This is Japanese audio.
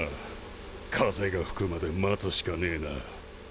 風がふくまで待つしかねえな。